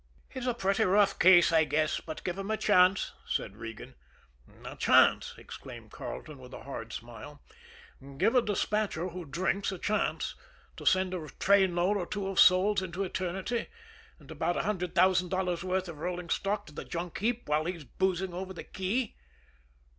"He's a pretty rough case, I guess; but give him a chance," said Regan. "A chance!" exclaimed Carleton, with a hard smile. "Give a despatcher who drinks a chance to send a trainload or two of souls into eternity, and about a hundred thousand dollars' worth of rolling stock to the junk heap while he's boozing over the key!"